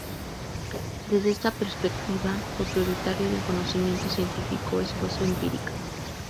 Desde esta perspectiva, lo prioritario del conocimiento científico es su base empírica.